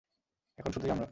এখন শুধুই আমরা।